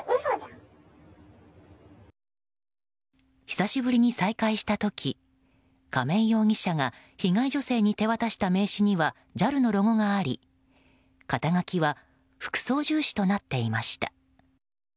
久しぶりに再会した時亀井被告が被害女性に手渡した名刺にはＪＡＬのロゴがあり肩書は副操縦士となっていました。